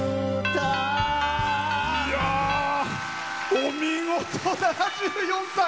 お見事、７４歳！